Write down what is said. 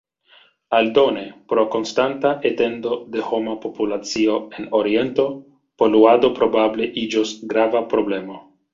Aldone, pro konstanta etendo de homa populacio en Oriento, poluado probable iĝos grava problemo.